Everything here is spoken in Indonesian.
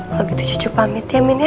kalo gitu cucu pamit ya min ya